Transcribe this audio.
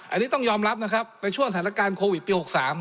อันนี้ต้องยอมรับนะครับในช่วงสถานการณ์โควิดปี๖๓